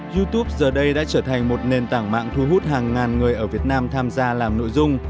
youtube giờ đây đã trở thành một nền tảng mạng thu hút hàng ngàn người ở việt nam tham gia làm nội dung